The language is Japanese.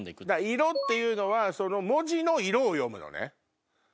「色」っていうのは文字の色を読むのね。